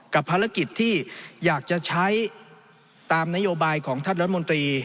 ภารกิจที่อยากจะใช้ตามนโยบายของท่านรัฐมนตรี